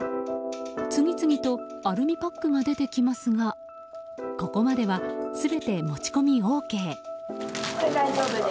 次々とアルミパックが出てきますがここまでは全て持ち込みＯＫ。